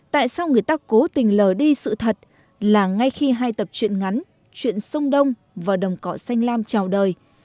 tại sao người ta cố tình lờ đi sự thật là ngay khi hai tập truyện ngắn chuyện sông đông và đồng cỏ xanh lam trào đời